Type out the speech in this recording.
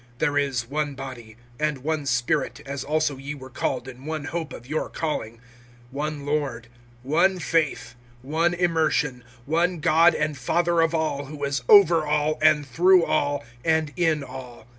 (4)There is one body, and one Spirit, as also ye were called in one hope of your calling; (5)one Lord, one faith, one immersion, (6)one God and Father of all, who is over all, and through all, and in all.